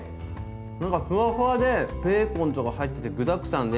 なんかふわふわでベーコンとか入ってて具だくさんで。